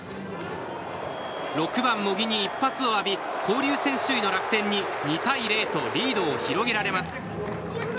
６番、茂木に一発を浴び交流戦首位の楽天に２対０とリードを広げられます。